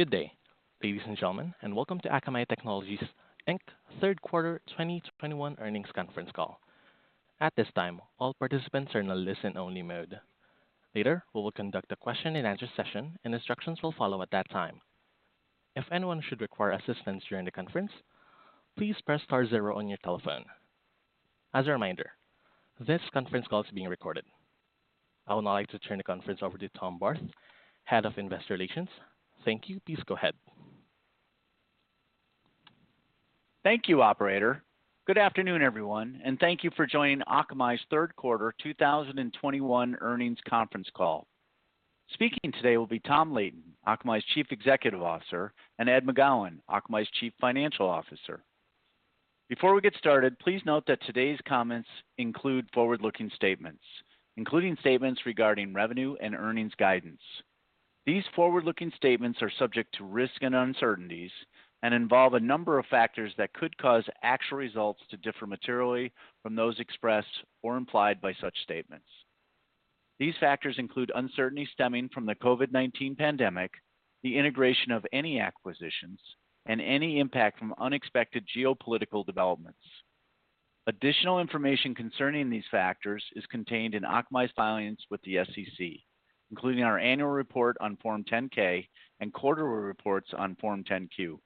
Good day, ladies and gentlemen, and welcome to Akamai Technologies, Inc. Third Quarter 2021 Earnings Conference Call. At this time, all participants are in a listen-only mode. Later, we will conduct a question and answer session and instructions will follow at that time. If anyone should require assistance during the conference, please press star zero on your telephone. As a reminder, this conference call is being recorded. I would now like to turn the conference over to Tom Barth, Head of Investor Relations. Thank you. Please go ahead. Thank you, operator. Good afternoon, everyone, and thank you for joining Akamai's third quarter 2021 earnings conference call. Speaking today will be Tom Leighton, Akamai's Chief Executive Officer, and Ed McGowan, Akamai's Chief Financial Officer. Before we get started, please note that today's comments include forward-looking statements, including statements regarding revenue and earnings guidance. These forward-looking statements are subject to risks and uncertainties and involve a number of factors that could cause actual results to differ materially from those expressed or implied by such statements. These factors include uncertainty stemming from the COVID-19 pandemic, the integration of any acquisitions, and any impact from unexpected geopolitical developments. Additional information concerning these factors is contained in Akamai's filings with the SEC, including our annual report on Form 10-K and quarterly reports on Form 10-Q.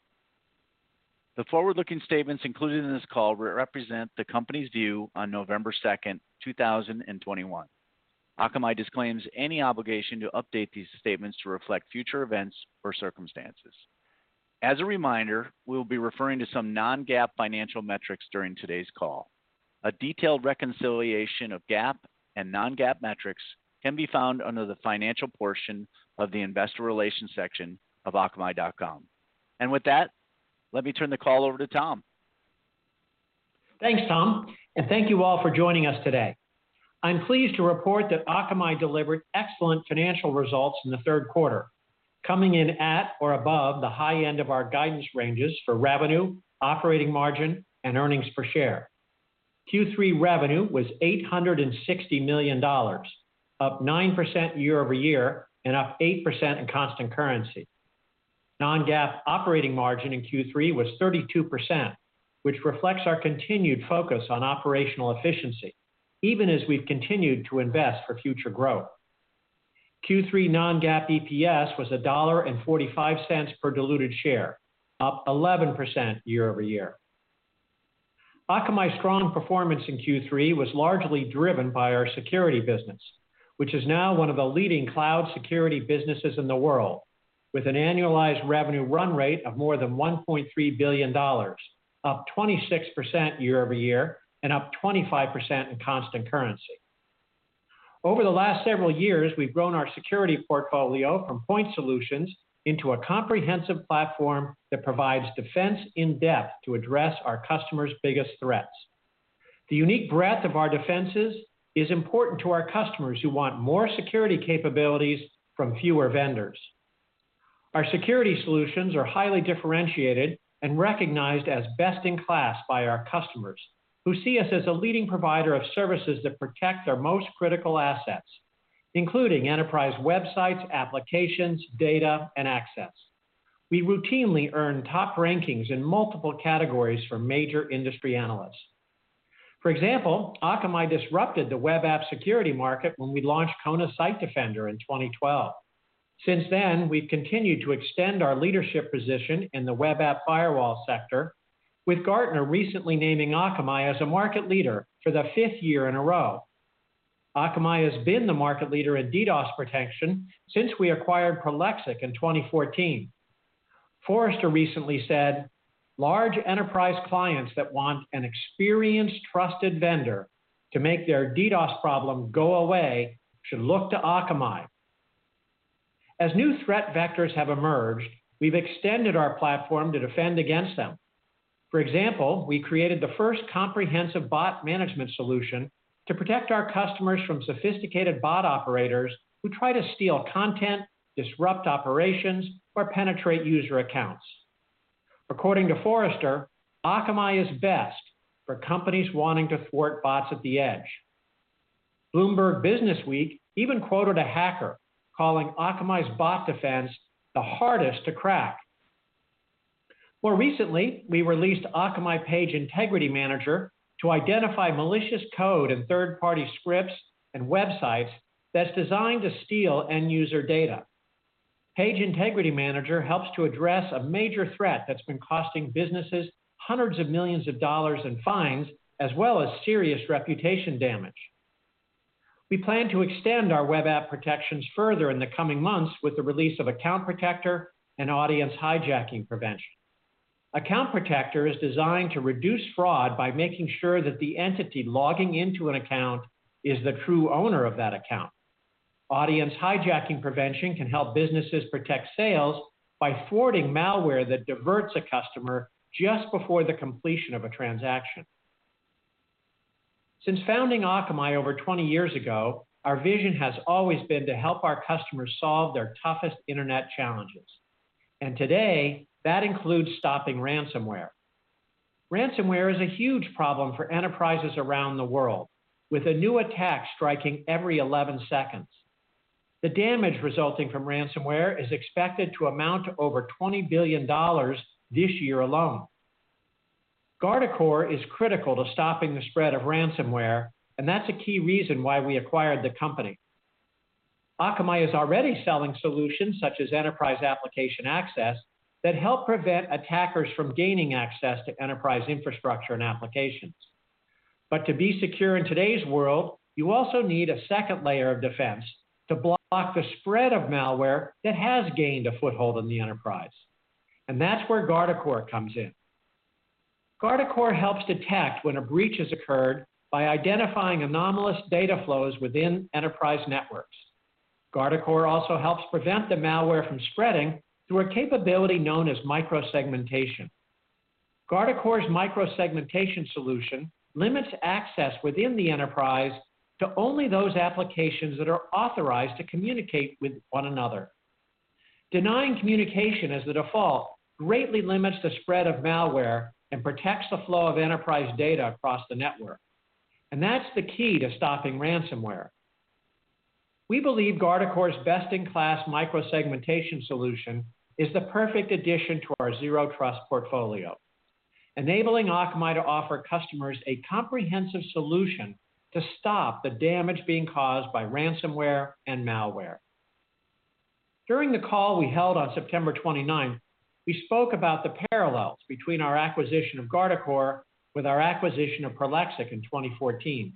The forward-looking statements included in this call represent the company's view on November 2nd, 2021. Akamai disclaims any obligation to update these statements to reflect future events or circumstances. As a reminder, we'll be referring to some non-GAAP financial metrics during today's call. A detailed reconciliation of GAAP and non-GAAP metrics can be found under the Financial portion of the Investor Relations section of akamai.com. With that, let me turn the call over to Tom. Thanks, Tom, and thank you all for joining us today. I'm pleased to report that Akamai delivered excellent financial results in the third quarter, coming in at or above the high end of our guidance ranges for revenue, operating margin, and earnings per share. Q3 revenue was $860 million, up 9% YoY and up 8% in constant currency. Non-GAAP operating margin in Q3 was 32%, which reflects our continued focus on operational efficiency, even as we've continued to invest for future growth. Q3 non-GAAP EPS was $1.45 per diluted share, up 11% YoY. Akamai's strong performance in Q3 was largely driven by our security business, which is now one of the leading cloud security businesses in the world, with an annualized revenue run rate of more than $1.3 billion, up 26% YoY and up 25% in constant currency. Over the last several years, we've grown our security portfolio from point solutions into a comprehensive platform that provides defense in-depth to address our customers' biggest threats. The unique breadth of our defenses is important to our customers who want more security capabilities from fewer vendors. Our security solutions are highly differentiated and recognized as best in class by our customers who see us as a leading provider of services that protect their most critical assets, including enterprise websites, applications, data, and access. We routinely earn top rankings in multiple categories from major industry analysts. For example, Akamai disrupted the web app security market when we launched Kona Site Defender in 2012. Since then, we've continued to extend our leadership position in the web app firewall sector, with Gartner recently naming Akamai as a market leader for the fifth year in a row. Akamai has been the market leader in DDoS protection since we acquired Prolexic in 2014. Forrester recently said, "Large enterprise clients that want an experienced, trusted vendor to make their DDoS problem go away should look to Akamai." As new threat vectors have emerged, we've extended our platform to defend against them. For example, we created the first comprehensive bot management solution to protect our customers from sophisticated bot operators who try to steal content, disrupt operations, or penetrate user accounts. According to Forrester, Akamai is best for companies wanting to thwart bots at the edge. Bloomberg Businessweek even quoted a hacker calling Akamai's bot defense the hardest to crack. More recently, we released Akamai Page Integrity Manager to identify malicious code in third-party scripts and websites that's designed to steal end user data. Page Integrity Manager helps to address a major threat that's been costing businesses hundreds of millions of dollars in fines, as well as serious reputation damage. We plan to extend our web app protections further in the coming months with the release of Account Protector and Audience Hijacking Protector. Account Protector is designed to reduce fraud by making sure that the entity logging into an account is the true owner of that account. Audience Hijacking Protector can help businesses protect sales by thwarting malware that diverts a customer just before the completion of a transaction. Since founding Akamai over 20 years ago, our vision has always been to help our customers solve their toughest internet challenges. Today, that includes stopping ransomware. Ransomware is a huge problem for enterprises around the world, with a new attack striking every 11 seconds. The damage resulting from ransomware is expected to amount to over $20 billion this year alone. Guardicore is critical to stopping the spread of ransomware, and that's a key reason why we acquired the company. Akamai is already selling solutions such as Enterprise Application Access that help prevent attackers from gaining access to enterprise infrastructure and applications. To be secure in today's world, you also need a second layer of defense to block the spread of malware that has gained a foothold in the enterprise. That's where Guardicore comes in. Guardicore helps detect when a breach has occurred by identifying anomalous data flows within enterprise networks. Guardicore also helps prevent the malware from spreading through a capability known as micro-segmentation. Guardicore's micro-segmentation solution limits access within the enterprise to only those applications that are authorized to communicate with one another. Denying communication as the default greatly limits the spread of malware and protects the flow of enterprise data across the network. That's the key to stopping ransomware. We believe Guardicore's best-in-class micro-segmentation solution is the perfect addition to our zero trust portfolio, enabling Akamai to offer customers a comprehensive solution to stop the damage being caused by ransomware and malware. During the call we held on September 29th, we spoke about the parallels between our acquisition of Guardicore and our acquisition of Prolexic in 2014.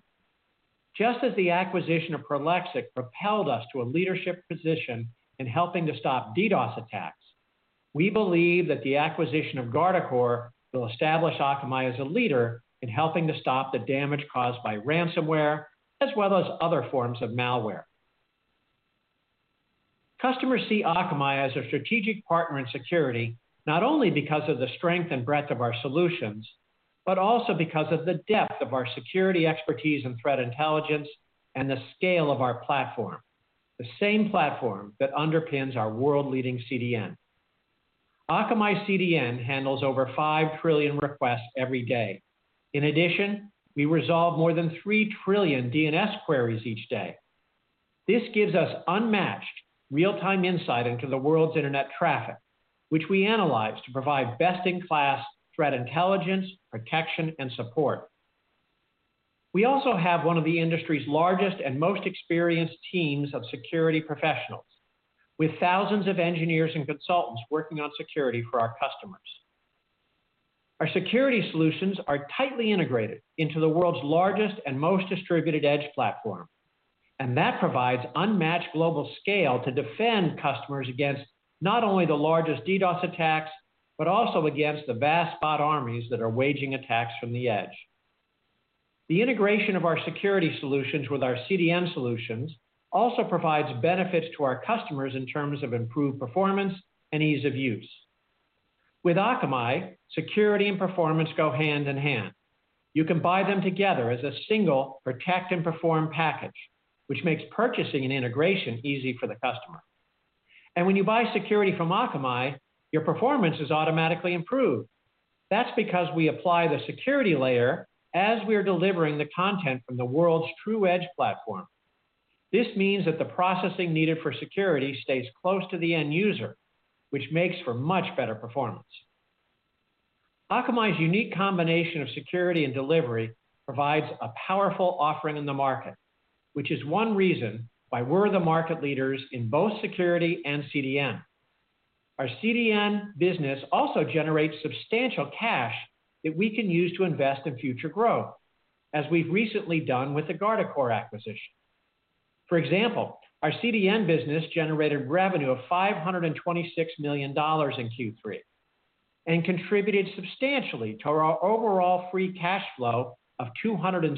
Just as the acquisition of Prolexic propelled us to a leadership position in helping to stop DDoS attacks, we believe that the acquisition of Guardicore will establish Akamai as a leader in helping to stop the damage caused by ransomware as well as other forms of malware. Customers see Akamai as a strategic partner in security, not only because of the strength and breadth of our solutions, but also because of the depth of our security expertise and threat intelligence and the scale of our platform, the same platform that underpins our world-leading CDN. Akamai CDN handles over 5 trillion requests every day. In addition, we resolve more than 3 trillion DNS queries each day. This gives us unmatched real-time insight into the world's internet traffic, which we analyze to provide best-in-class threat intelligence, protection, and support. We also have one of the industry's largest and most experienced teams of security professionals, with thousands of engineers and consultants working on security for our customers. Our security solutions are tightly integrated into the world's largest and most distributed edge platform, and that provides unmatched global scale to defend customers against not only the largest DDoS attacks, but also against the vast bot armies that are waging attacks from the edge. The integration of our security solutions with our CDN solutions also provides benefits to our customers in terms of improved performance and ease of use. With Akamai, security and performance go hand in hand. You can buy them together as a single protect and perform package, which makes purchasing and integration easy for the customer. When you buy security from Akamai, your performance is automatically improved. That's because we apply the security layer as we are delivering the content from the world's true edge platform. This means that the processing needed for security stays close to the end user, which makes for much better performance. Akamai's unique combination of security and delivery provides a powerful offering in the market, which is one reason why we're the market leaders in both security and CDN. Our CDN business also generates substantial cash that we can use to invest in future growth, as we've recently done with the Guardicore acquisition. For example, our CDN business generated revenue of $526 million in Q3 and contributed substantially to our overall free cash flow of $273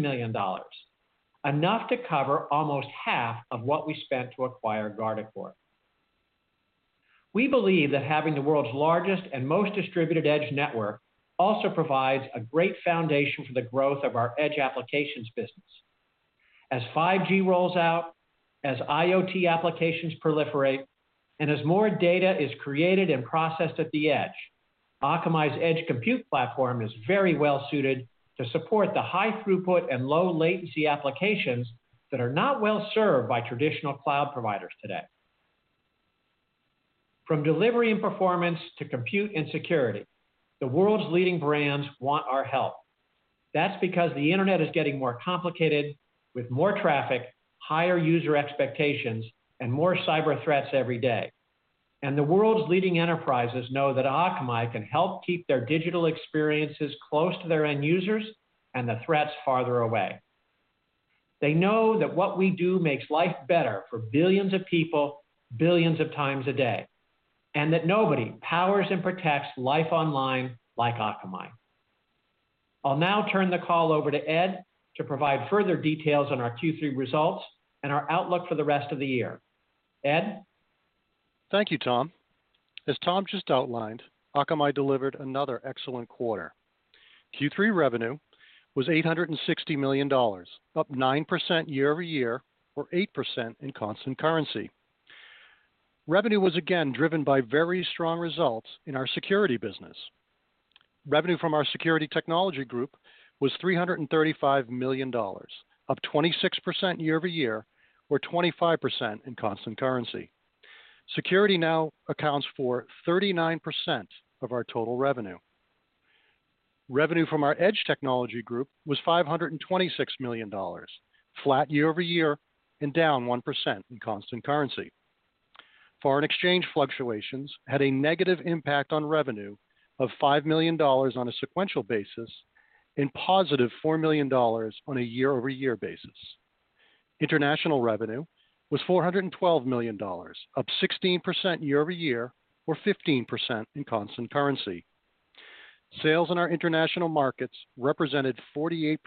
million, enough to cover almost half of what we spent to acquire Guardicore. We believe that having the world's largest and most distributed edge network also provides a great foundation for the growth of our Edge Applications business. As 5G rolls out, as IoT applications proliferate, and as more data is created and processed at the edge, Akamai's edge compute platform is very well suited to support the high throughput and low latency applications that are not well served by traditional cloud providers today. From delivery and performance to compute and security, the world's leading brands want our help. That's because the Internet is getting more complicated with more traffic, higher user expectations, and more cyber threats every day. The world's leading enterprises know that Akamai can help keep their digital experiences close to their end users and the threats farther away. They know that what we do makes life better for billions of people, billions of times a day, and that nobody powers and protects life online like Akamai. I'll now turn the call over to Ed to provide further details on our Q3 results and our outlook for the rest of the year. Ed? Thank you, Tom. As Tom just outlined, Akamai delivered another excellent quarter. Q3 revenue was $860 million, up 9% YoY, or 8% in constant currency. Revenue was again driven by very strong results in our security business. Revenue from our Security Technology Group was $335 million, up 26% YoY, or 25% in constant currency. Security now accounts for 39% of our total revenue. Revenue from our Edge Technology Group was $526 million, flat YoY, and down 1% in constant currency. Foreign exchange fluctuations had a negative impact on revenue of $5 million on a sequential basis and positive $4 million on a YoY basis. International revenue was $412 million, up 16% YoY or 15% in constant currency. Sales in our international markets represented 48%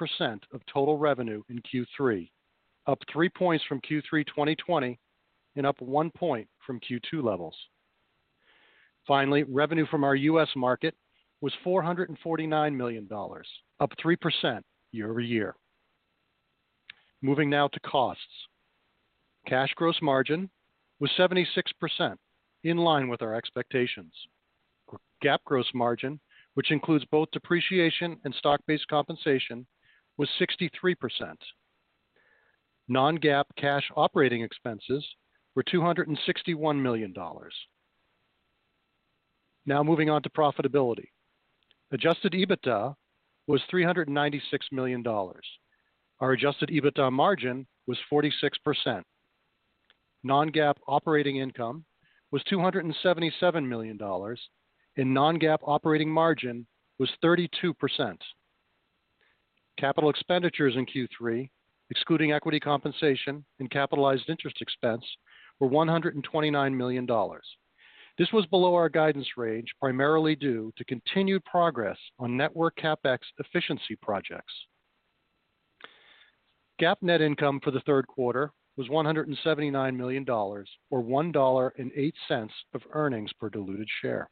of total revenue in Q3, up three points from Q3 2020 and up one point from Q2 levels. Revenue from our US market was $449 million, up 3% YoY. Moving now to costs. Cash gross margin was 76% in line with our expectations. GAAP gross margin, which includes both depreciation and stock-based compensation, was 63%. Non-GAAP cash operating expenses were $261 million. Moving on to profitability. Adjusted EBITDA was $396 million. Our Adjusted EBITDA margin was 46%. Non-GAAP operating income was $277 million, and non-GAAP operating margin was 32%. Capital expenditures in Q3, excluding equity compensation and capitalized interest expense, were $129 million. This was below our guidance range, primarily due to continued progress on network CapEx efficiency projects. GAAP net income for the third quarter was $179 million, or $1.08 of earnings per diluted share.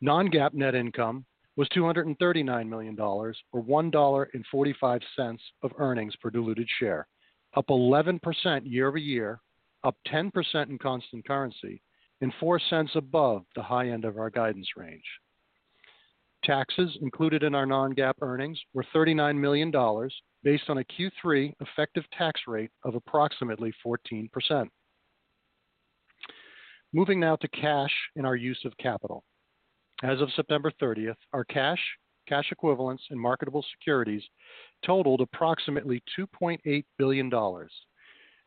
Non-GAAP net income was $239 million, or $1.45 of earnings per diluted share, up 11% YoY, up 10% in constant currency, and $0.04 above the high end of our guidance range. Taxes included in our non-GAAP earnings were $39 million, based on a Q3 effective tax rate of approximately 14%. Moving now to cash and our use of capital. As of September 30th, our cash equivalents, and marketable securities totaled approximately $2.8 billion.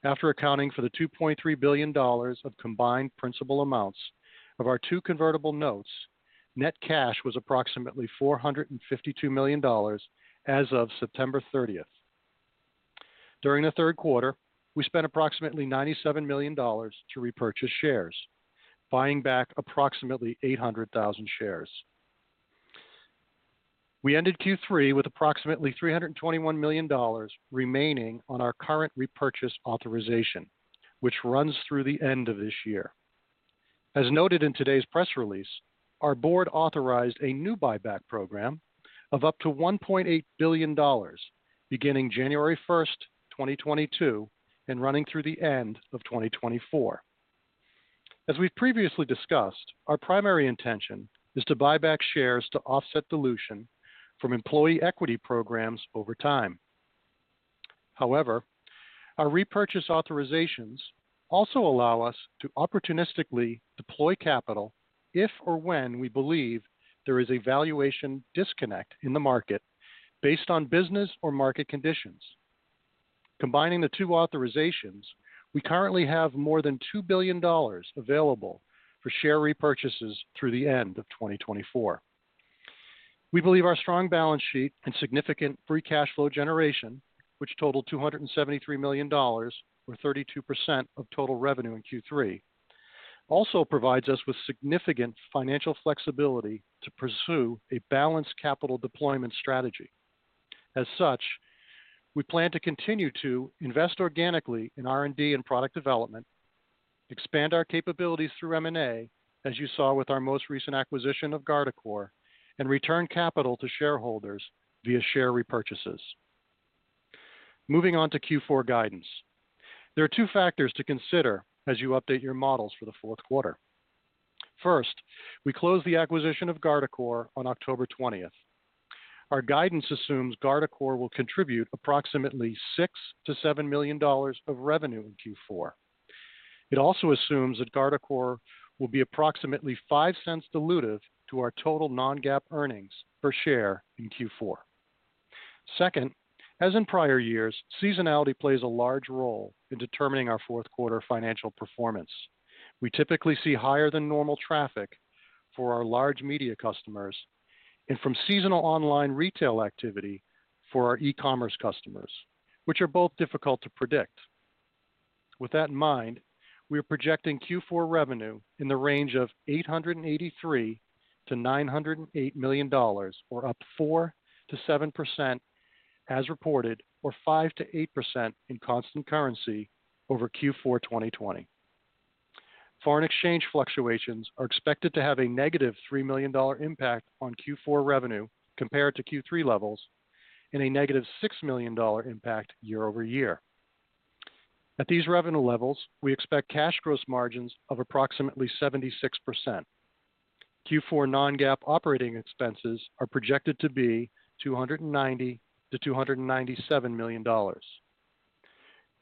After accounting for the $2.3 billion of combined principal amounts of our two convertible notes, net cash was approximately $452 million as of September 30th. During the third quarter, we spent approximately $97 million to repurchase shares, buying back approximately 800,000 shares. We ended Q3 with approximately $321 million remaining on our current repurchase authorization, which runs through the end of this year. As noted in today's press release, our board authorized a new buyback program of up to $1.8 billion beginning January 1st, 2022, and running through the end of 2024. As we've previously discussed, our primary intention is to buy back shares to offset dilution from employee equity programs over time. However, our repurchase authorizations also allow us to opportunistically deploy capital if or when we believe there is a valuation disconnect in the market based on business or market conditions. Combining the two authorizations, we currently have more than $2 billion available for share repurchases through the end of 2024. We believe our strong balance sheet and significant free cash flow generation, which totaled $273 million or 32% of total revenue in Q3, also provides us with significant financial flexibility to pursue a balanced capital deployment strategy. As such, we plan to continue to invest organically in R&D and product development, expand our capabilities through M&A, as you saw with our most recent acquisition of Guardicore, and return capital to shareholders via share repurchases. Moving on to Q4 guidance. There are two factors to consider as you update your models for the fourth quarter. First, we closed the acquisition of Guardicore on October 20th. Our guidance assumes Guardicore will contribute approximately $6 million-$7 million of revenue in Q4. It also assumes that Guardicore will be approximately $0.05 dilutive to our total non-GAAP earnings per share in Q4. Second, as in prior years, seasonality plays a large role in determining our fourth quarter financial performance. We typically see higher than normal traffic for our large media customers and from seasonal online retail activity for our e-commerce customers, which are both difficult to predict. With that in mind, we are projecting Q4 revenue in the range of $883 million-$908 million, or up 4%-7% as reported, or 5%-8% in constant currency over Q4 2020. Foreign exchange fluctuations are expected to have a negative $3 million impact on Q4 revenue compared to Q3 levels. A negative $6 million impact YoY. At these revenue levels, we expect cash gross margins of approximately 76%. Q4 non-GAAP operating expenses are projected to be $290 million-$297 million.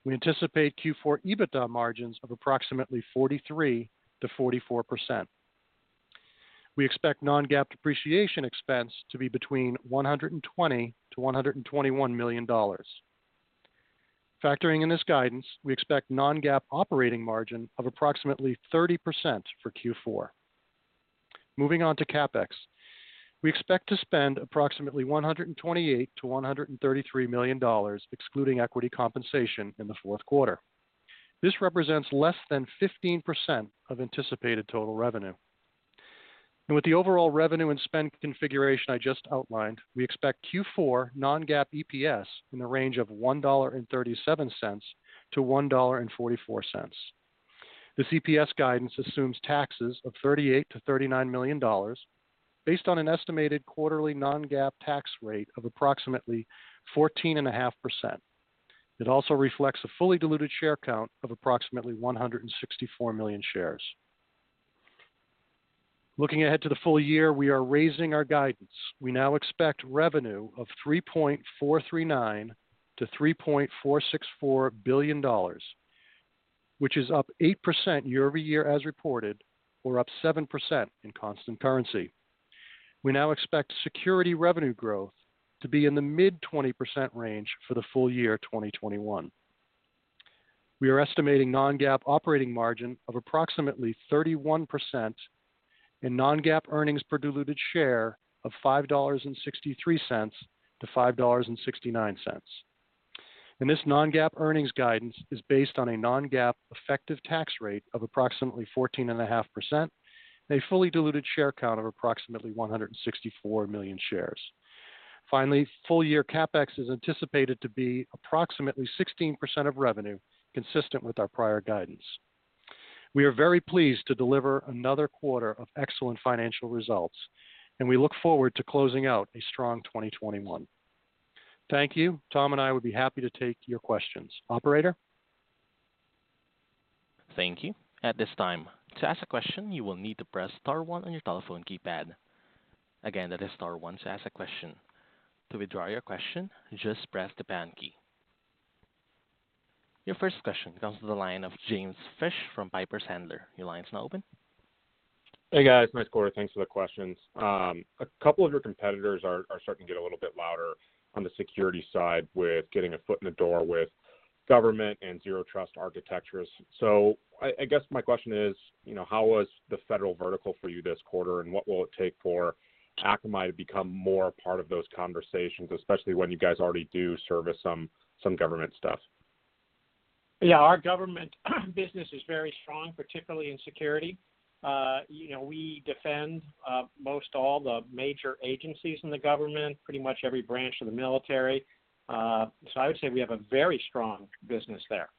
We anticipate Q4 EBITDA margins of approximately 43%-44%. We expect non-GAAP depreciation expense to be between $120 million-$121 million. Factoring in this guidance, we expect non-GAAP operating margin of approximately 30% for Q4. Moving on to CapEx. We expect to spend approximately $128 million-$133 million excluding equity compensation in the fourth quarter. This represents less than 15% of anticipated total revenue. With the overall revenue and spend configuration I just outlined, we expect Q4 non-GAAP EPS in the range of $1.37-$1.44. This EPS guidance assumes taxes of $38 million-$39 million based on an estimated quarterly non-GAAP tax rate of approximately 14.5%. It also reflects a fully diluted share count of approximately 164 million shares. Looking ahead to the full year, we are raising our guidance. We now expect revenue of $3.439 billion-$3.464 billion, which is up 8% YoY as reported, or up 7% in constant currency. We now expect security revenue growth to be in the mid-20% range for the full year 2021. We are estimating non-GAAP operating margin of approximately 31% and non-GAAP earnings per diluted share of $5.63-$5.69. This non-GAAP earnings guidance is based on a non-GAAP effective tax rate of approximately 14.5%, and a fully diluted share count of approximately 164 million shares. Finally, full-year CapEx is anticipated to be approximately 16% of revenue, consistent with our prior guidance. We are very pleased to deliver another quarter of excellent financial results, and we look forward to closing out a strong 2021. Thank you. Tom and I would be happy to take your questions. Operator? Thank you. At this time, to ask a question, you will need to press star one on your telephone keypad. Again, that is star one to ask a question. To withdraw your question, just press the pound key. Your first question comes to the line of James Fish from Piper Sandler. Your line's now open. Hey, guys, nice quarter. Thanks for the questions. A couple of your competitors are starting to get a little bit louder on the security side with getting a foot in the door with government and zero trust architectures. I guess my question is, you know, how was the federal vertical for you this quarter, and what will it take for Akamai to become more a part of those conversations, especially when you guys already do service some government stuff? Yeah, our government business is very strong, particularly in security. You know, we defend most all the major agencies in the government, pretty much every branch of the military. I would say we have a very strong business there.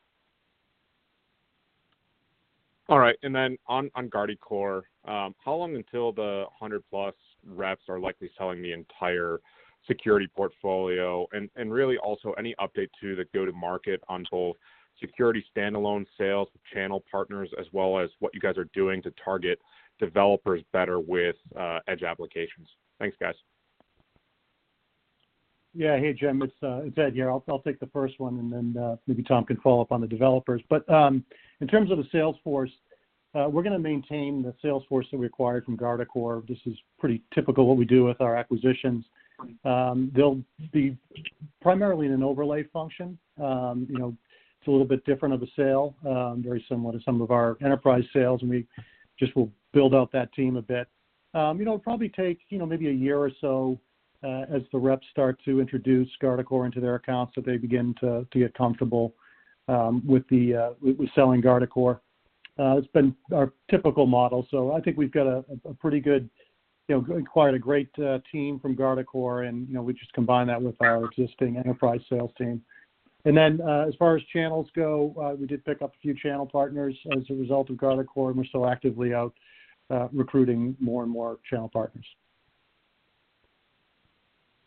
All right. Then on Guardicore, how long until the 100+ reps are likely selling the entire security portfolio? Really also any update to the go-to-market on both security standalone sales with channel partners, as well as what you guys are doing to target developers better with Edge Applications. Thanks, guys. Yeah. Hey, Jim, it's Ed here. I'll take the first one, and then maybe Tom can follow up on the developers. In terms of the sales force, we're gonna maintain the sales force that we acquired from Guardicore. This is pretty typical what we do with our acquisitions. They'll be primarily in an overlay function. You know, it's a little bit different of a sale, very similar to some of our enterprise sales, and we just will build out that team a bit. You know, it'll probably take maybe a year or so as the reps start to introduce Guardicore into their accounts, that they begin to get comfortable with selling Guardicore. It's been our typical model. I think we've acquired a great team from Guardicore and, you know, we just combine that with our existing enterprise sales team. As far as channels go, we did pick up a few channel partners as a result of Guardicore, and we're still actively out recruiting more and more channel partners.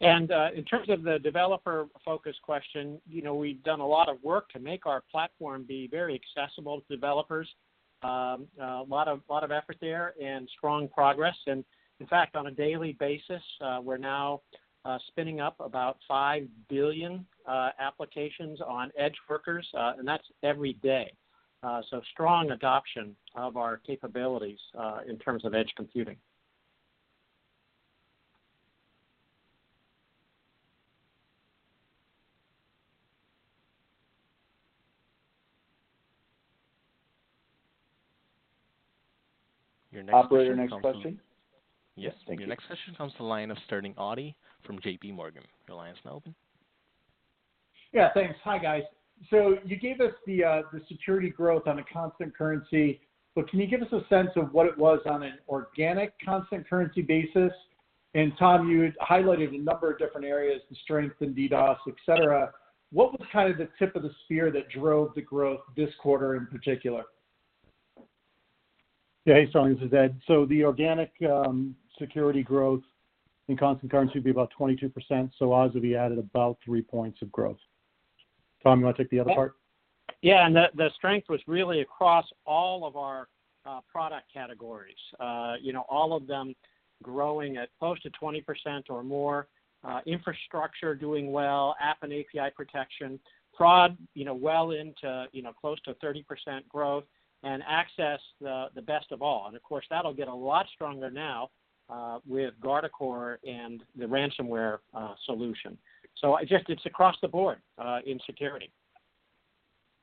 In terms of the developer focus question, you know, we've done a lot of work to make our platform be very accessible to developers. A lot of effort there and strong progress. In fact, on a daily basis, we're now spinning up about 5 billion applications on EdgeWorkers, and that's every day. Strong adoption of our capabilities in terms of edge computing. Your next question comes from Operator, next question. Yes. Thank you. Your next question comes to the line of Sterling Auty from JPMorgan. Your line is now open. Yeah, thanks. Hi, guys. You gave us the security growth on a constant currency, but can you give us a sense of what it was on an organic constant currency basis? Tom, you highlighted a number of different areas, the strength in DDoS, et cetera. What was kind of the tip of the spear that drove the growth this quarter in particular? Yeah. Hey, Sterling, this is Ed. The organic security growth in constant currency would be about 22%, so Asavie would be added about 3 points of growth. Tom, you wanna take the other part? Yeah. The strength was really across all of our product categories. You know, all of them growing at close to 20% or more. Infrastructure doing well, App & API Protector product, you know, well into, you know, close to 30% growth and access, the best of all. Of course, that'll get a lot stronger now with Guardicore and the ransomware solution. I just it's across the board in security.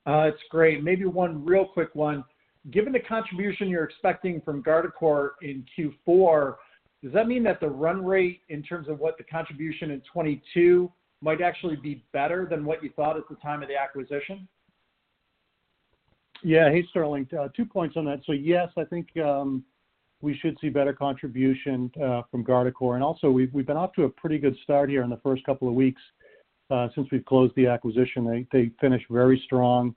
It's great. Maybe one real quick one. Given the contribution you're expecting from Guardicore in Q4, does that mean that the run rate in terms of what the contribution in 2022 might actually be better than what you thought at the time of the acquisition? Yeah. Hey, Sterling. Two points on that. Yes, I think we should see better contribution from Guardicore. Also, we've been off to a pretty good start here in the first couple of weeks since we've closed the acquisition. They finished very strong.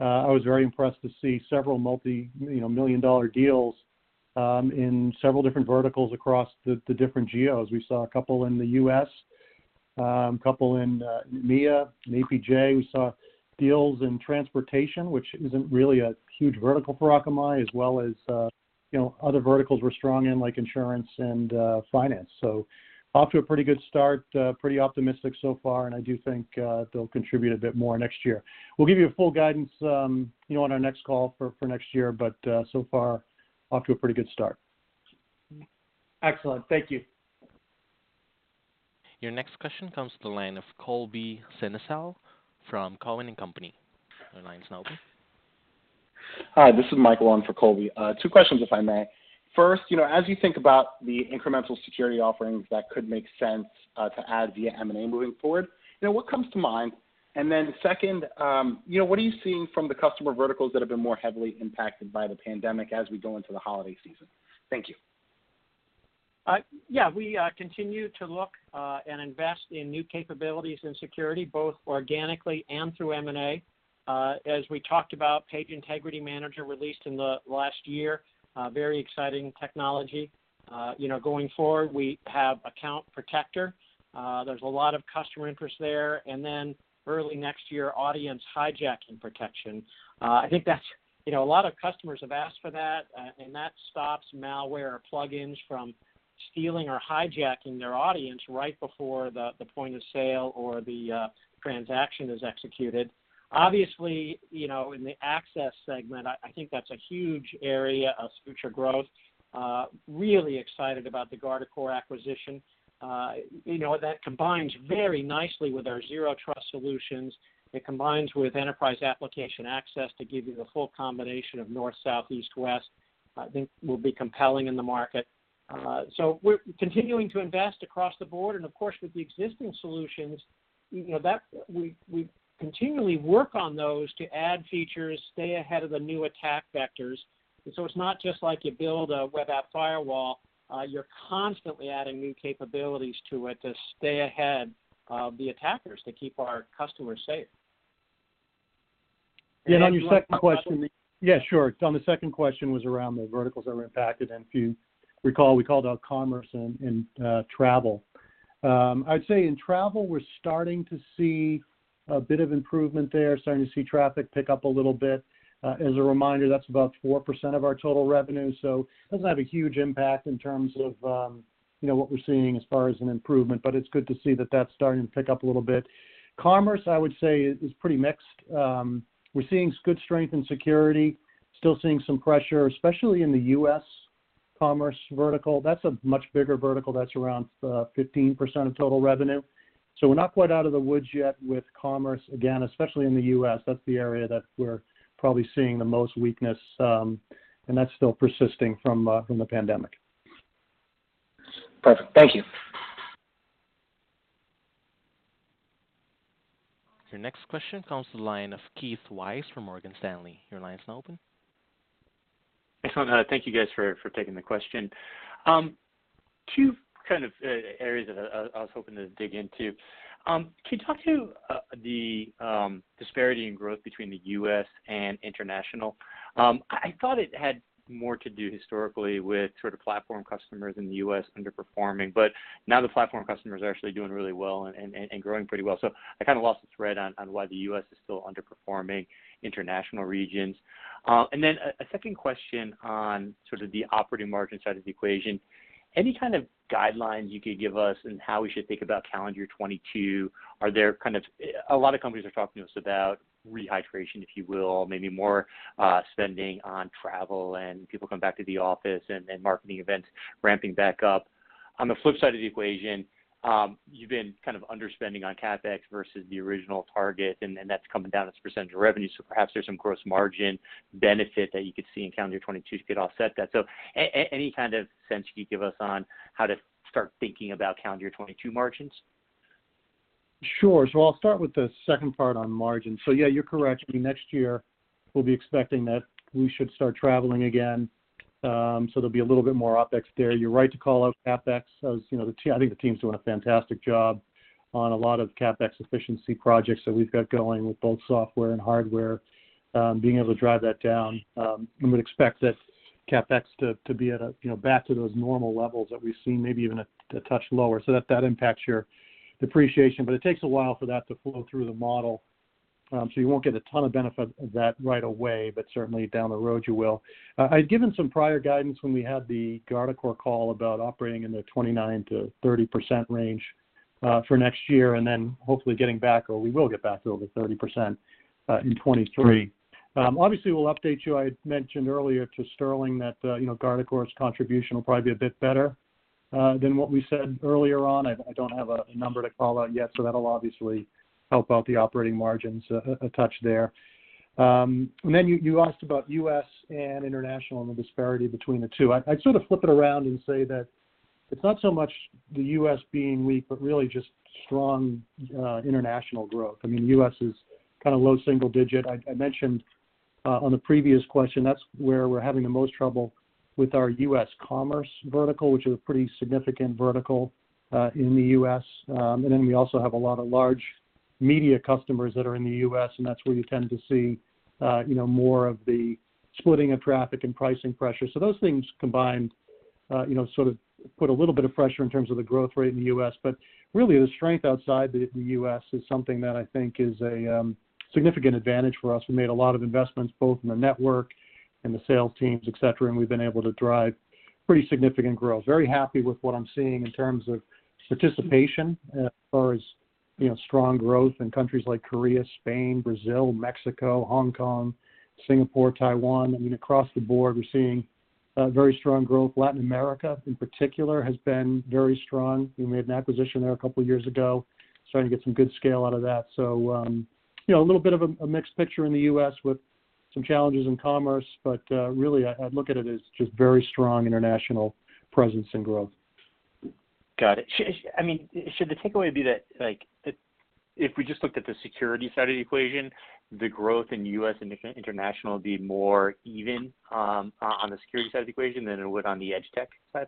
I was very impressed to see several multi-million-dollar deals in several different verticals across the different geos. We saw a couple in the U.S., couple in EMEA and APJ. We saw deals in transportation, which isn't really a huge vertical for Akamai, as well as other verticals we're strong in, like insurance and finance. Off to a pretty good start, pretty optimistic so far, and I do think they'll contribute a bit more next year. We'll give you a full guidance, you know, on our next call for next year, but so far off to a pretty good start. Excellent. Thank you. Your next question comes to the line of Colby Synesael from Cowen and Company. Your line's now open. Hi, this is Michael on for Colby. Two questions if I may. First, you know, as you think about the incremental security offerings that could make sense to add via M&A moving forward, you know, what comes to mind? Second, you know, what are you seeing from the customer verticals that have been more heavily impacted by the pandemic as we go into the holiday season? Thank you. Yeah. We continue to look and invest in new capabilities in security, both organically and through M&A. As we talked about, Page Integrity Manager released in the last year, very exciting technology. You know, going forward, we have Account Protector. There's a lot of customer interest there. And then early next year, Audience Hijacking Protector. I think that's, you know, a lot of customers have asked for that, and that stops malware or plug-ins from stealing or hijacking their audience right before the point of sale or the transaction is executed. Obviously, you know, in the access segment, I think that's a huge area of future growth. Really excited about the Guardicore acquisition. You know, that combines very nicely with our zero trust solutions. It combines with Enterprise Application Access to give you the full combination of north, south, east, west. I think we'll be compelling in the market. We're continuing to invest across the board and of course, with the existing solutions, you know, that we continually work on those to add features, stay ahead of the new attack vectors. It's not just like you build a Web Application Firewall, you're constantly adding new capabilities to it to stay ahead of the attackers to keep our customers safe. Yeah, on your second question. On the second question was around the verticals that were impacted, and if you recall, we called out commerce and travel. I'd say in travel, we're starting to see a bit of improvement there, starting to see traffic pick up a little bit. As a reminder, that's about 4% of our total revenue, so doesn't have a huge impact in terms of what we're seeing as far as an improvement, but it's good to see that that's starting to pick up a little bit. Commerce, I would say, is pretty mixed. We're seeing good strength in security. Still seeing some pressure, especially in the U.S. commerce vertical. That's a much bigger vertical. That's around 15% of total revenue. We're not quite out of the woods yet with commerce, again, especially in the U.S. That's the area that we're probably seeing the most weakness, and that's still persisting from the pandemic. Perfect. Thank you. Your next question comes to the line of Keith Weiss from Morgan Stanley. Your line is now open. Excellent. Thank you guys for taking the question. Two kind of areas that I was hoping to dig into. Can you talk to the disparity in growth between the U.S. and international? I thought it had more to do historically with sort of platform customers in the U.S. underperforming, but now the platform customers are actually doing really well and growing pretty well. I kinda lost the thread on why the U.S. is still underperforming international regions. Then a second question on sort of the operating margin side of the equation. Any kind of guidelines you could give us in how we should think about calendar 2022? Are there kind of... A lot of companies are talking to us about rehydration, if you will, maybe more spending on travel and people coming back to the office and marketing events ramping back up. On the flip side of the equation, you've been kind of underspending on CapEx versus the original target, and that's coming down as a percentage of revenue, so perhaps there's some gross margin benefit that you could see in calendar 2022 to offset that. Any kind of sense you could give us on how to start thinking about calendar 2022 margins? Sure. I'll start with the second part on margin. Yeah, you're correct. I mean, next year we'll be expecting that we should start traveling again. There'll be a little bit more OpEx there. You're right to call out CapEx as, you know, I think the team's doing a fantastic job on a lot of CapEx efficiency projects that we've got going with both software and hardware, being able to drive that down. We'd expect that CapEx to be at a, you know, back to those normal levels that we've seen, maybe even a touch lower, so that impacts your depreciation. It takes a while for that to flow through the model, so you won't get a ton of benefit of that right away, but certainly down the road you will. I'd given some prior guidance when we had the Guardicore call about operating in the 29%-30% range for next year, and then hopefully getting back or we will get back to over 30% in 2023. Obviously we'll update you. I had mentioned earlier to Sterling that, you know, Guardicore's contribution will probably be a bit better than what we said earlier on. I don't have a number to call out yet, so that'll obviously help out the operating margins a touch there. You asked about U.S. and international and the disparity between the two. I'd sort of flip it around and say that it's not so much the U.S. being weak, but really just strong international growth. I mean, U.S. is kinda low single digit. I mentioned on the previous question, that's where we're having the most trouble with our U.S. commerce vertical, which is a pretty significant vertical in the U.S. We also have a lot of large media customers that are in the U.S., and that's where you tend to see you know, more of the splitting of traffic and pricing pressure. Those things combined you know, sort of put a little bit of pressure in terms of the growth rate in the U.S. Really, the strength outside the U.S. is something that I think is a significant advantage for us. We made a lot of investments both in the network and the sales teams, et cetera, and we've been able to drive pretty significant growth. Very happy with what I'm seeing in terms of participation as far as, you know, strong growth in countries like Korea, Spain, Brazil, Mexico, Hong Kong, Singapore, Taiwan. I mean, across the board, we're seeing very strong growth. Latin America in particular has been very strong. We made an acquisition there a couple years ago. Starting to get some good scale out of that. You know, a little bit of a mixed picture in the U.S. with some challenges in commerce. Really I look at it as just very strong international presence and growth. Got it. I mean, should the takeaway be that, like if we just looked at the Security side of the equation, the growth in U.S. and international would be more even, on the Security side of the equation than it would on the Edge tech side?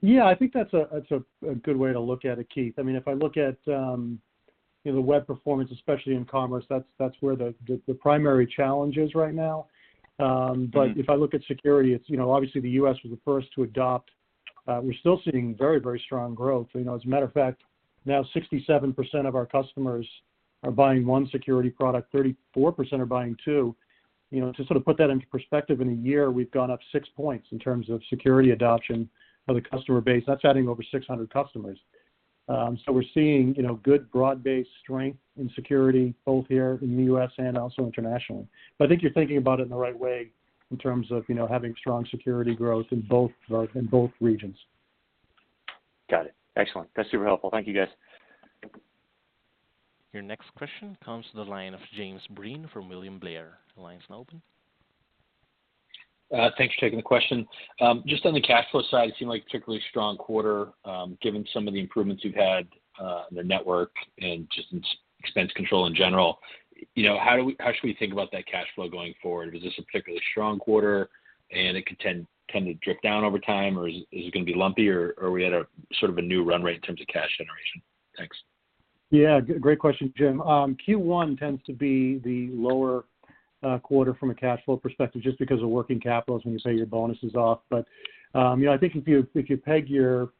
Yeah. I think that's a good way to look at it, Keith. I mean, if I look at, you know, the web performance, especially in commerce, that's where the primary challenge is right now. Mm-hmm. If I look at security, it's, you know, obviously the U.S. was the first to adopt. We're still seeing very, very strong growth. You know, as a matter of fact, now 67% of our customers are buying one security product, 34% are buying two. You know, to sort of put that into perspective, in a year we've gone up 6 points in terms of security adoption of the customer base. That's adding over 600 customers. So we're seeing, you know, good broad-based strength in security, both here in the U.S. and also internationally. I think you're thinking about it in the right way in terms of, you know, having strong security growth in both regions. Got it. Excellent. That's super helpful. Thank you, guys. Your next question comes to the line of James Breen from William Blair. The line's now open. Thanks for taking the question. Just on the cash flow side, it seemed like a particularly strong quarter, given some of the improvements you've had in the network and just in expense control in general. You know, how should we think about that cash flow going forward? Is this a particularly strong quarter and it could tend to drip down over time, or is it gonna be lumpy, or we had a sort of a new run rate in terms of cash generation? Thanks. Yeah. Great question, Jim. Q1 tends to be the lower quarter from a cash flow perspective just because of working capital, it's when you pay your bonuses. You know, I think if you peg your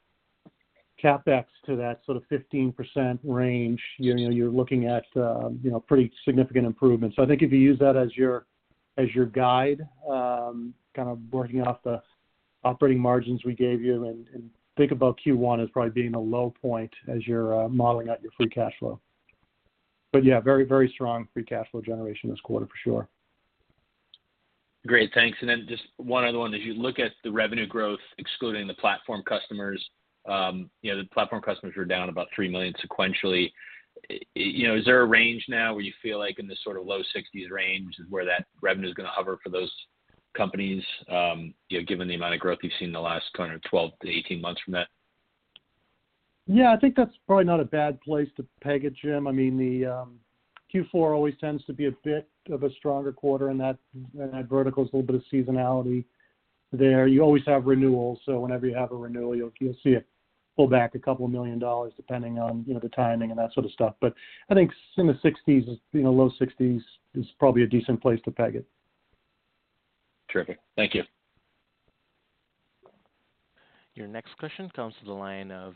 CapEx to that sort of 15% range, you know, you're looking at pretty significant improvements. I think if you use that as your guide, kind of working off the operating margins we gave you and think about Q1 as probably being a low point as you're modeling out your free cash flow. Yeah, very strong free cash flow generation this quarter for sure. Great. Thanks. Just one other one. As you look at the revenue growth, excluding the platform customers, you know, the platform customers were down about $3 million sequentially. You know, is there a range now where you feel like in this sort of low 60s range is where that revenue's gonna hover for those companies, you know, given the amount of growth you've seen in the last kind of 12-18 months from that? Yeah. I think that's probably not a bad place to peg it, Jim. I mean, the Q4 always tends to be a bit of a stronger quarter in that vertical. There's a little bit of seasonality there. You always have renewals, so whenever you have a renewal, you'll see it pull back $2 million depending on the timing and that sort of stuff. I think in the low 60s is probably a decent place to peg it. Terrific. Thank you. Your next question comes to the line of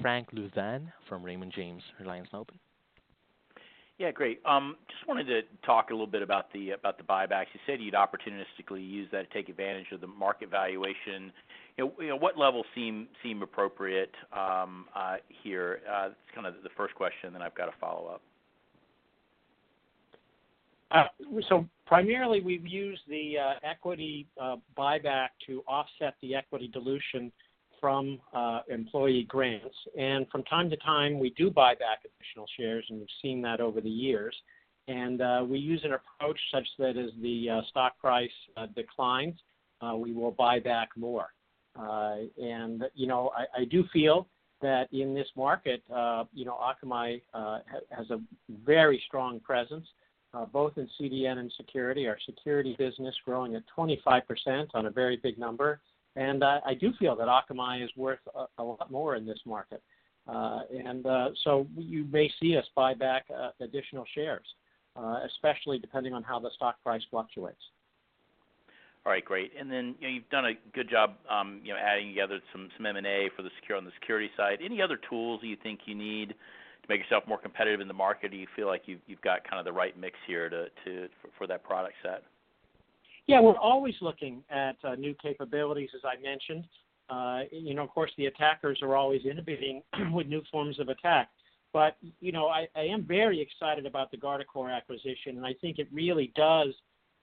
Frank Louthan from Raymond James. Your line's now open. Yeah. Great. Just wanted to talk a little bit about the buybacks. You said you'd opportunistically use that to take advantage of the market valuation. You know, what level seem appropriate here? That's kinda the first question, then I've got a follow-up. So primarily we've used the equity buyback to offset the equity dilution from employee grants. From time to time, we do buy back. Additional shares, and we've seen that over the years. We use an approach such that as the stock price declines, we will buy back more. You know, I do feel that in this market, you know, Akamai has a very strong presence both in CDN and security. Our security business growing at 25% on a very big number. I do feel that Akamai is worth a lot more in this market. You may see us buy back additional shares, especially depending on how the stock price fluctuates. All right, great. Then, you know, you've done a good job, you know, adding together some M&A for the security on the security side. Any other tools that you think you need to make yourself more competitive in the market, or you feel like you've got kinda the right mix here to for that product set? Yeah, we're always looking at new capabilities, as I mentioned. You know, of course, the attackers are always innovating with new forms of attack. You know, I am very excited about the Guardicore acquisition, and I think it really does,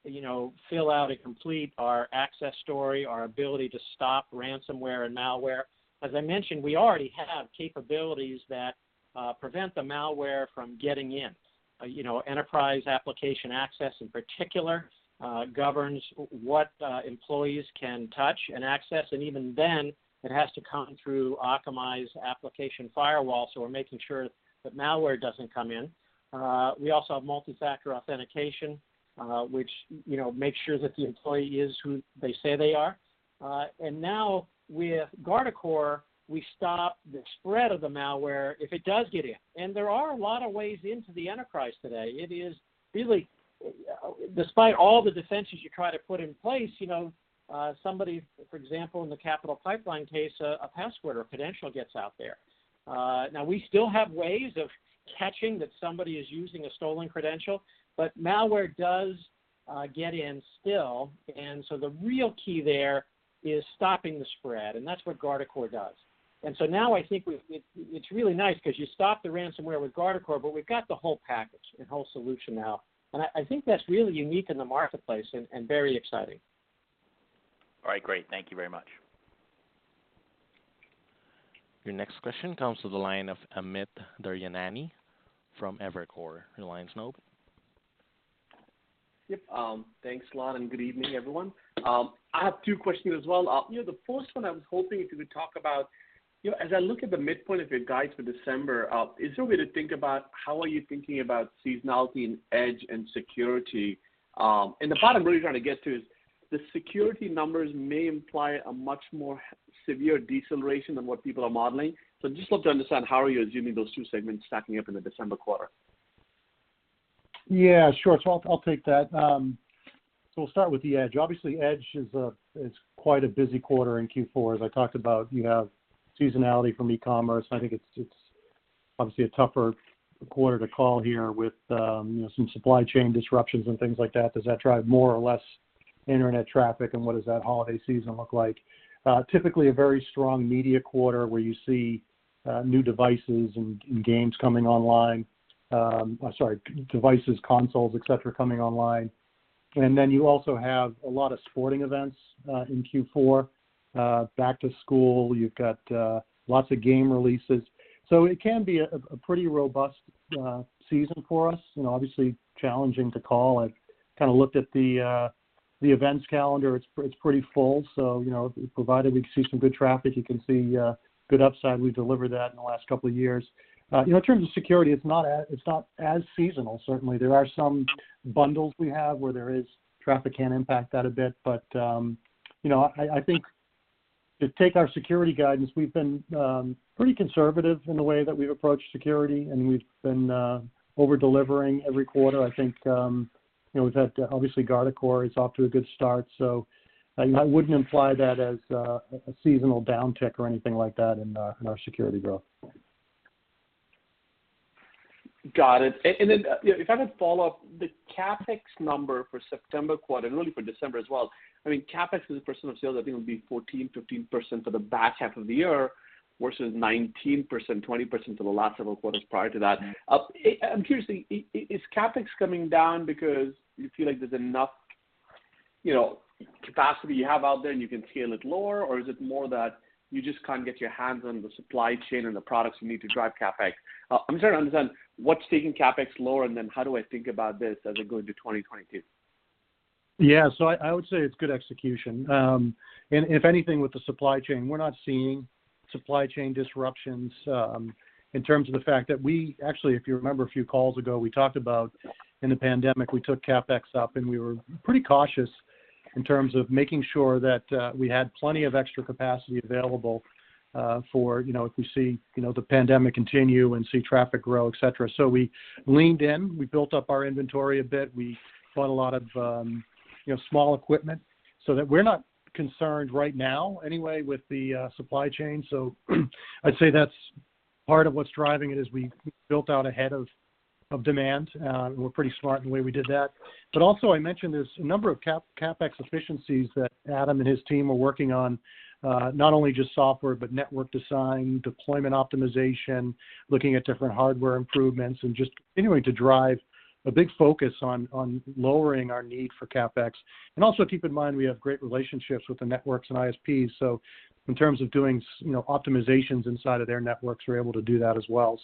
you know, fill out and complete our access story, our ability to stop ransomware and malware. As I mentioned, we already have capabilities that prevent the malware from getting in. You know, Enterprise Application Access in particular governs what employees can touch and access, and even then it has to come through Akamai's application firewall, so we're making sure that malware doesn't come in. We also have multi-factor authentication, which, you know, makes sure that the employee is who they say they are. Now with Guardicore, we stop the spread of the malware if it does get in. There are a lot of ways into the enterprise today. It is really despite all the defenses you try to put in place, you know, somebody, for example, in the Colonial Pipeline case, a password or credential gets out there. Now we still have ways of catching that somebody is using a stolen credential, but malware does get in still. The real key there is stopping the spread, and that's what Guardicore does. Now I think we've it's really nice because you stop the ransomware with Guardicore, but we've got the whole package and whole solution now. I think that's really unique in the marketplace and very exciting. All right, great. Thank you very much. Your next question comes to the line of Amit Daryanani from Evercore. Your line's open. Yep, thanks a lot and good evening, everyone. I have two questions as well. You know, the first one I was hoping if you could talk about, you know, as I look at the midpoint of your guide for December, is there a way to think about how are you thinking about seasonality in edge and security? The part I'm really trying to get to is the security numbers may imply a much more severe deceleration than what people are modeling. I'd just love to understand how are you assuming those two segments stacking up in the December quarter? Yeah, sure. I'll take that. We'll start with the Edge. Obviously, Edge is quite a busy quarter in Q4. As I talked about, you have seasonality from e-commerce. I think it's obviously a tougher quarter to call here with, you know, some supply chain disruptions and things like that. Does that drive more or less internet traffic, and what does that holiday season look like? Typically a very strong media quarter where you see new devices, consoles, et cetera, coming online. You also have a lot of sporting events in Q4, back to school. You've got lots of game releases. It can be a pretty robust season for us and obviously challenging to call. I've kinda looked at the events calendar. It's pretty full, so, you know, provided we see some good traffic, you can see good upside. We've delivered that in the last couple of years. You know, in terms of security, it's not as seasonal, certainly. There are some bundles we have where traffic can impact that a bit. You know, I think to take our security guidance, we've been pretty conservative in the way that we've approached security, and we've been over-delivering every quarter. I think, you know, we've had obviously Guardicore is off to a good start, so I wouldn't imply that as a seasonal downtick or anything like that in our security growth. Got it. Then, you know, if I could follow up, the CapEx number for September quarter and really for December as well, I mean, CapEx as a percent of sales, I think it would be 14%-15% for the back half of the year versus 19%-20% for the last several quarters prior to that. I'm curious, is CapEx coming down because you feel like there's enough, you know, capacity you have out there and you can scale it lower, or is it more that you just can't get your hands on the supply chain and the products you need to drive CapEx? I'm just trying to understand what's taking CapEx lower, and then how do I think about this as we go into 2022? Yeah. I would say it's good execution. If anything with the supply chain, we're not seeing supply chain disruptions, in terms of the fact that actually, if you remember a few calls ago, we talked about in the pandemic, we took CapEx up, and we were pretty cautious in terms of making sure that we had plenty of extra capacity available, for you know, if we see you know, the pandemic continue and see traffic grow, et cetera. We leaned in. We built up our inventory a bit. We bought a lot of you know, small equipment so that we're not concerned right now anyway with the supply chain. I'd say that's part of what's driving it, is we built out ahead of demand. We're pretty smart in the way we did that. Also, I mentioned there's a number of CapEx efficiencies that Adam and his team are working on, not only just software, but network design, deployment optimization, looking at different hardware improvements, and just continuing to drive a big focus on lowering our need for CapEx. Also keep in mind we have great relationships with the networks and ISPs, so in terms of doing you know, optimizations inside of their networks, we're able to do that as well.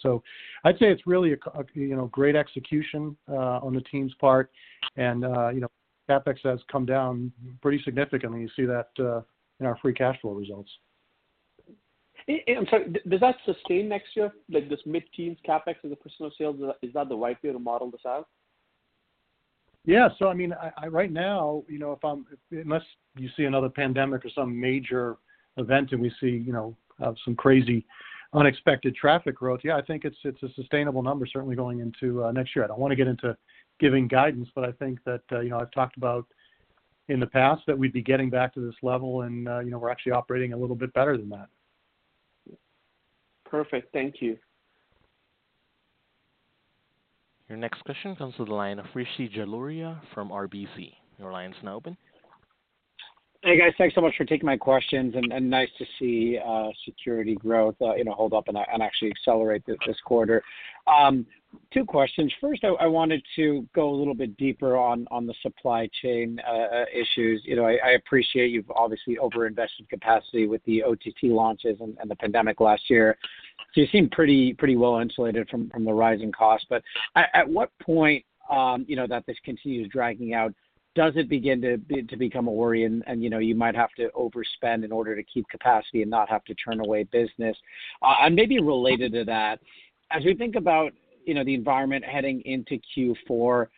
I'd say it's really you know, great execution on the team's part, and you know, CapEx has come down pretty significantly. You see that in our free cash flow results. I'm sorry. Does that sustain next year, like this mid-teens CapEx as a percent of sales? Is that the right way to model this out? Yeah. I mean, right now, you know, unless you see another pandemic or some major event, and we see, you know, some crazy unexpected traffic growth, yeah, I think it's a sustainable number, certainly going into next year. I don't wanna get into giving guidance, but I think that, you know, I've talked about in the past that we'd be getting back to this level and, you know, we're actually operating a little bit better than that. Perfect. Thank you. Your next question comes to the line of Rishi Jaluria from RBC. Your line is now open. Hey, guys. Thanks so much for taking my questions and nice to see security growth, you know, hold up and actually accelerate this quarter. Two questions. First, I wanted to go a little bit deeper on the supply chain issues. You know, I appreciate you've obviously over invested capacity with the OTT launches and the pandemic last year. So you seem pretty well insulated from the rising costs. But at what point, you know, that this continues dragging out, does it begin to become a worry and, you know, you might have to overspend in order to keep capacity and not have to turn away business? Maybe related to that, as we think about, you know, the environment heading into Q4,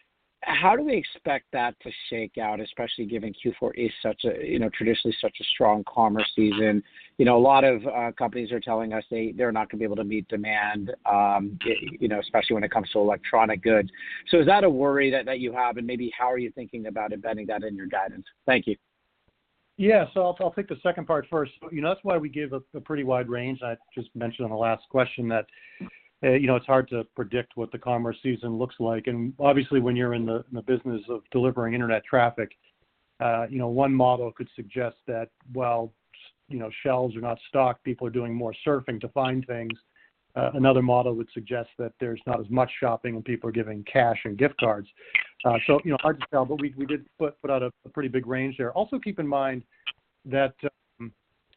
how do we expect that to shake out, especially given Q4 is such a, you know, traditionally such a strong commerce season? You know, a lot of companies are telling us they're not gonna be able to meet demand, you know, especially when it comes to electronic goods. Is that a worry that you have? Maybe how are you thinking about embedding that in your guidance? Thank you. I'll take the second part first. That's why we gave a pretty wide range. I just mentioned on the last question that it's hard to predict what the commerce season looks like. Obviously, when you're in the business of delivering internet traffic, one model could suggest that while shelves are not stocked, people are doing more surfing to find things. Another model would suggest that there's not as much shopping and people are giving cash and gift cards. Hard to tell, but we did put out a pretty big range there. Also keep in mind that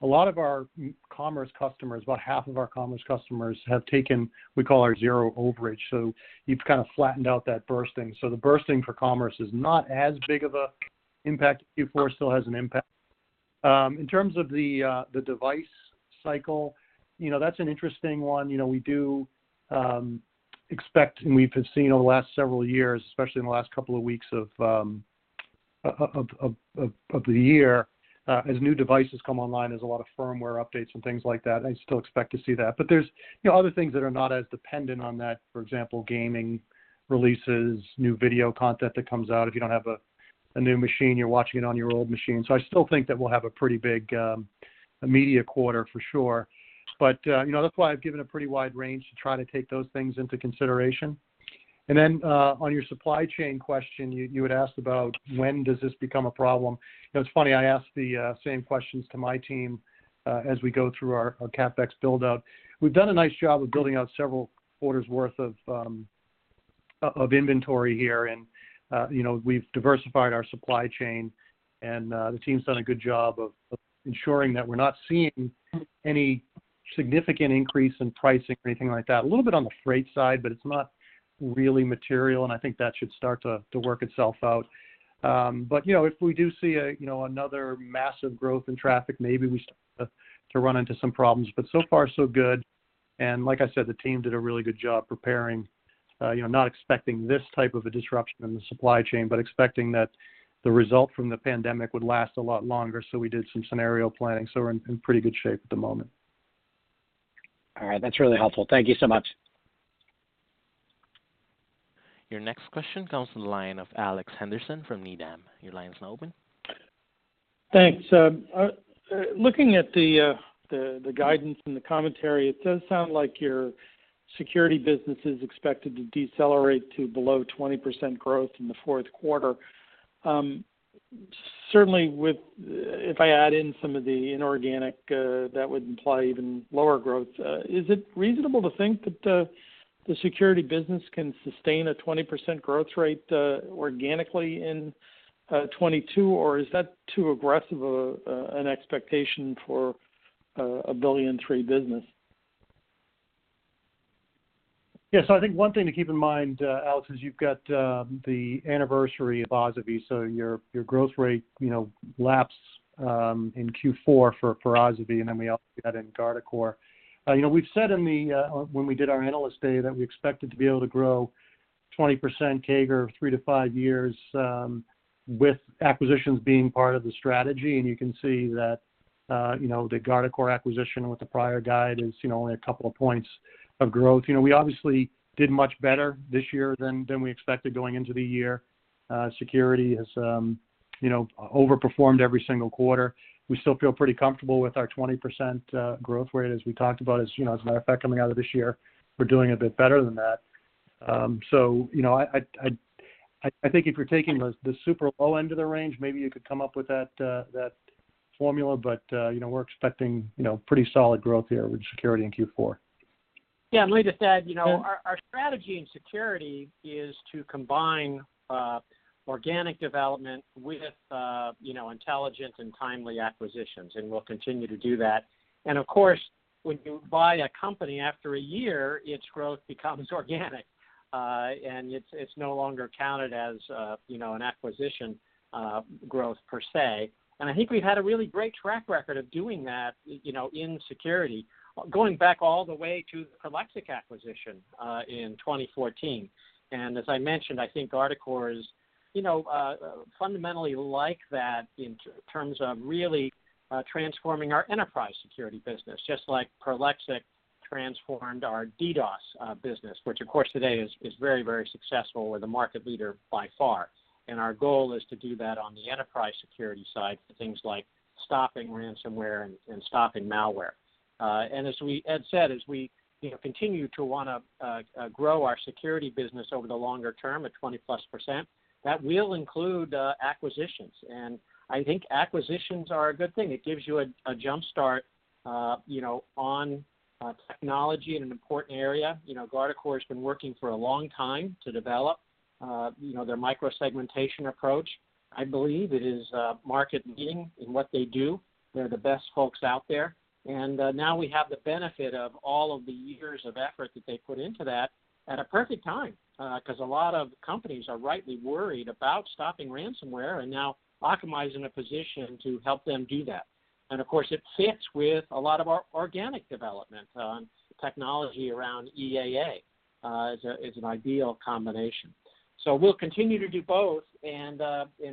a lot of our commerce customers, about half of our commerce customers have taken what we call our Zero Overage. You've kind of flattened out that bursting. The burst in commerce is not as big of an impact. Q4 still has an impact. In terms of the device cycle, you know, that's an interesting one. You know, we do expect, and we've seen over the last several years, especially in the last couple of weeks of the year, as new devices come online, there's a lot of firmware updates and things like that, and I still expect to see that. But there's, you know, other things that are not as dependent on that, for example, gaming releases, new video content that comes out. If you don't have a new machine, you're watching it on your old machine. I still think that we'll have a pretty big media quarter for sure. You know, that's why I've given a pretty wide range to try to take those things into consideration. On your supply chain question, you had asked about when does this become a problem? You know, it's funny, I ask the same questions to my team as we go through our CapEx build-out. We've done a nice job of building out several quarters worth of inventory here and, you know, we've diversified our supply chain and, the team's done a good job of ensuring that we're not seeing any significant increase in pricing or anything like that. A little bit on the freight side, but it's not really material, and I think that should start to work itself out. You know, if we do see a, you know, another massive growth in traffic, maybe we start to run into some problems, but so far so good. Like I said, the team did a really good job preparing, you know, not expecting this type of a disruption in the supply chain, but expecting that the result from the pandemic would last a lot longer. We did some scenario planning, so we're in pretty good shape at the moment. All right. That's really helpful. Thank you so much. Your next question comes from the line of Alex Henderson from Needham. Your line is now open. Thanks. Looking at the guidance and the commentary, it does sound like your security business is expected to decelerate to below 20% growth in the fourth quarter. Certainly if I add in some of the inorganic, that would imply even lower growth. Is it reasonable to think that the security business can sustain a 20% growth rate organically in 2022, or is that too aggressive of an expectation for a $1.3 billion business? Yeah. I think one thing to keep in mind, Alex, is you've got the anniversary of Asavie. Your growth rate, you know, laps in Q4 for Asavie, and then we also see that in Guardicore. You know, we've said in the when we did our analyst day that we expected to be able to grow 20% CAGR, three to five years, with acquisitions being part of the strategy. You can see that, you know, the Guardicore acquisition with the prior guide is, you know, only a couple of points of growth. You know, we obviously did much better this year than we expected going into the year. Security has, you know, overperformed every single quarter. We still feel pretty comfortable with our 20% growth rate as we talked about. As you know, as a matter of fact, coming out of this year, we're doing a bit better than that. You know, I think if you're taking the super low end of the range, maybe you could come up with that formula. You know, we're expecting, you know, pretty solid growth here with security in Q4. Yeah. Let me just add, you know, our strategy in security is to combine organic development with you know, intelligent and timely acquisitions, and we'll continue to do that. Of course, when you buy a company after a year, its growth becomes organic, and it's no longer counted as you know, an acquisition growth per se. I think we've had a really great track record of doing that, you know, in security, going back all the way to the Prolexic acquisition in 2014. As I mentioned, I think Guardicore is you know, fundamentally like that in terms of really transforming our enterprise security business, just like Prolexic transformed our DDoS business, which of course today is very, very successful. We're the market leader by far. Our goal is to do that on the enterprise security side for things like stopping ransomware and stopping malware. As Ed said, as we, you know, continue to wanna grow our security business over the longer term at 20%+, that will include acquisitions. I think acquisitions are a good thing. It gives you a jump-start, you know, on technology in an important area. You know, Guardicore has been working for a long time to develop, you know, their micro-segmentation approach. I believe it is market-leading in what they do. They're the best folks out there. Now we have the benefit of all of the years of effort that they put into that at a perfect time, 'cause a lot of companies are rightly worried about stopping ransomware, and now Akamai's in a position to help them do that. Of course, it fits with a lot of our organic development, technology around EAA. It's an ideal combination. We'll continue to do both and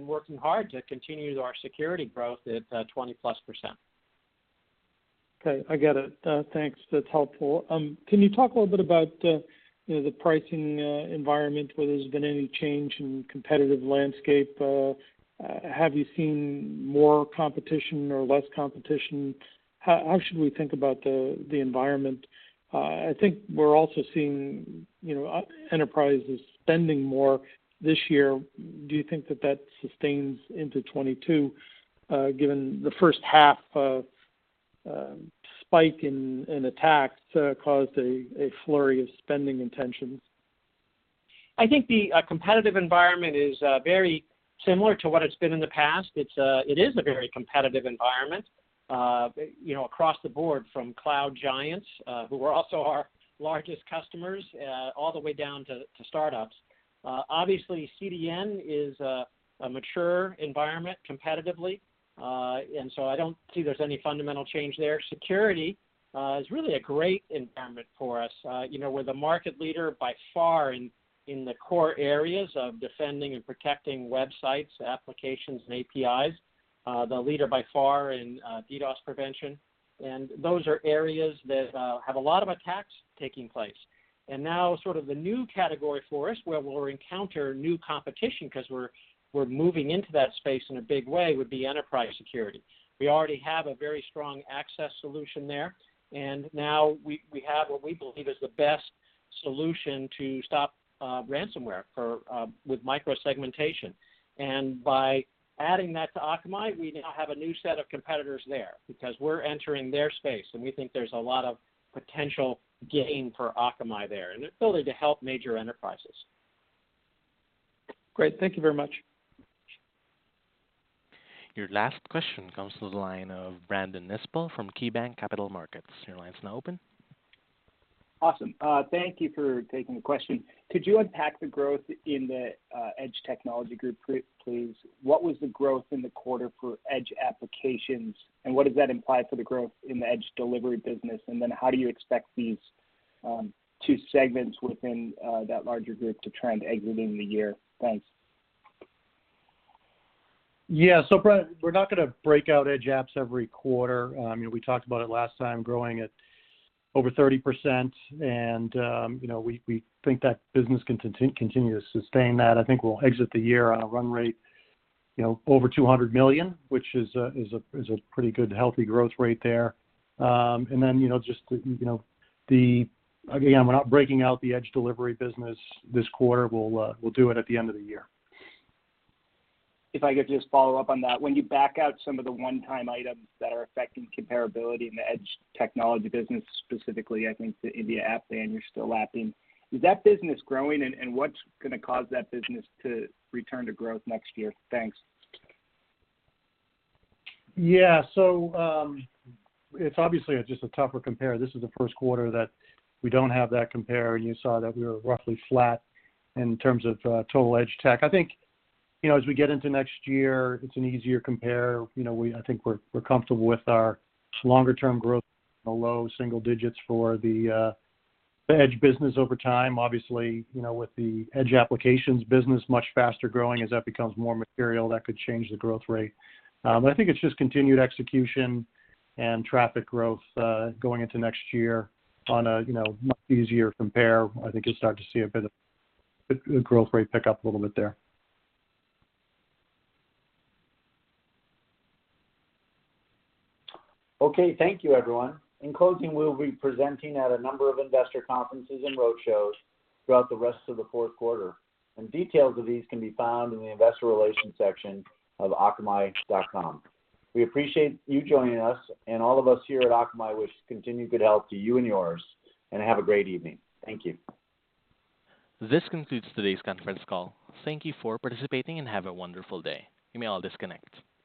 working hard to continue our security growth at 20%+. Okay, I get it. Thanks. That's helpful. Can you talk a little bit about, you know, the pricing environment, whether there's been any change in competitive landscape? Have you seen more competition or less competition? How should we think about the environment? I think we're also seeing, you know, enterprises spending more this year. Do you think that sustains into 2022, given the first half spike in attacks caused a flurry of spending intentions? I think the competitive environment is very similar to what it's been in the past. It is a very competitive environment, you know, across the board from cloud giants who are also our largest customers all the way down to startups. Obviously CDN is a mature environment competitively, and so I don't see there's any fundamental change there. Security is really a great environment for us. You know, we're the market leader by far in the core areas of defending and protecting websites, applications, and APIs, the leader by far in DDoS prevention, and those are areas that have a lot of attacks taking place. Now sort of the new category for us, where we'll encounter new competition 'cause we're moving into that space in a big way, would be enterprise security. We already have a very strong access solution there, and now we have what we believe is the best solution to stop ransomware with micro-segmentation. By adding that to Akamai, we now have a new set of competitors there because we're entering their space, and we think there's a lot of potential gain for Akamai there and ability to help major enterprises. Great. Thank you very much. Your last question comes to the line of Brandon Nispel from KeyBanc Capital Markets. Your line's now open. Awesome. Thank you for taking the question. Could you unpack the growth in the Edge Technology Group, please? What was the growth in the quarter for Edge Applications, and what does that imply for the growth in the Edge Delivery business? How do you expect these two segments within that larger group to trend exiting the year? Thanks. Brandon, we're not gonna break out Edge apps every quarter. You know, we talked about it last time growing at over 30%. You know, we think that business can continue to sustain that. I think we'll exit the year on a run rate, you know, over $200 million, which is a pretty good, healthy growth rate there. Again, we're not breaking out the Edge Delivery business this quarter. We'll do it at the end of the year. If I could just follow up on that. When you back out some of the one-time items that are affecting comparability in the Edge Technology Group, specifically, I think the India app ban you're still lapping. Is that business growing, and what's gonna cause that business to return to growth next year? Thanks. Yeah. It's obviously just a tougher compare. This is the first quarter that we don't have that compare, and you saw that we were roughly flat in terms of total Edge Tech. I think, you know, as we get into next year, it's an easier compare. You know, I think we're comfortable with our longer term growth in the low single digits for the Edge business over time. Obviously, you know, with the Edge Applications business much faster growing, as that becomes more material, that could change the growth rate. But I think it's just continued execution and traffic growth going into next year on a much easier compare. I think you'll start to see a bit of the growth rate pick up a little bit there. Okay, thank you, everyone. In closing, we'll be presenting at a number of investor conferences and roadshows throughout the rest of the fourth quarter, and details of these can be found in the Investor Relations section of akamai.com. We appreciate you joining us, and all of us here at Akamai wish continued good health to you and yours, and have a great evening. Thank you. This concludes today's conference call. Thank you for participating, and have a wonderful day. You may all disconnect.